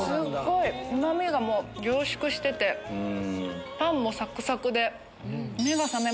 うま味がもう凝縮しててパンもサクサクで。